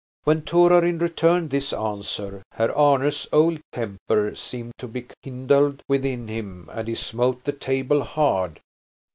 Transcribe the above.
When Torarin returned this answer Herr Arne's old temper seemed to be kindled within him and he smote the table hard.